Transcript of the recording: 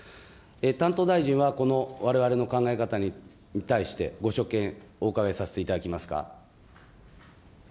担当大臣は、このわれわれの考え方に対して、ご所見、お伺いさせていただけますか。